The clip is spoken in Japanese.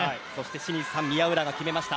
清水さん、宮浦が決めました。